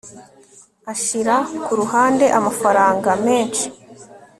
ashira ku ruhande amafaranga menshi